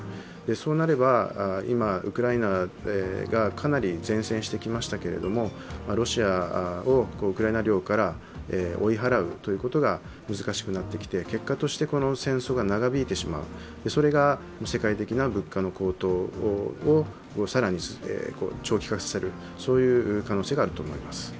そうなれば、今、ウクライナがかなり善戦してきましたけれども、ロシアをウクライナ領から追い払うことが難しくなってきて、結果としてこの戦争が長引いてしまうそれが世界的な物価の高騰を更に長期化させる、そういう可能性があると思います。